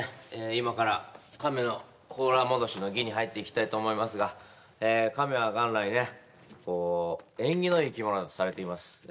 今から亀の甲羅戻しの儀に入っていきたいと思いますがえ亀は元来ね縁起のいい生き物とされています